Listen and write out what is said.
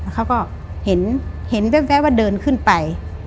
เขาก็เห็นแว๊บว่าเดินขึ้นไป